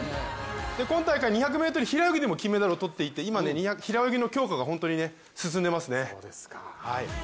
今大会、２００ｍ平泳ぎでも金メダルを取っていて今ね、平泳ぎの強化が本当に進んでいますね。